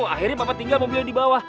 akhirnya papa tinggal mobilnya di bawah